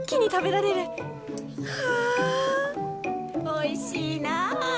おいしいな！